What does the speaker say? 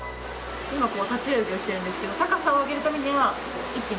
今こう立ち泳ぎをしているんですけど高さを上げるためには一気にスピードが。